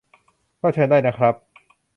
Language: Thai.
ก็เชิญได้นะครับ